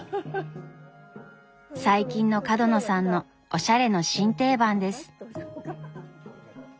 最近の角野さんのおしゃれの新定番です。